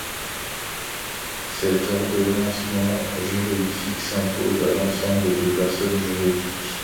Cet ordonnancement juridique s'impose à l'ensemble des personnes juridiques.